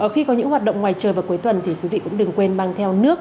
khi có những hoạt động ngoài trời vào cuối tuần thì quý vị cũng đừng quên mang theo nước